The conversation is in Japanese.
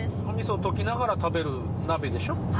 おみそを溶きながら食べる鍋でしょ？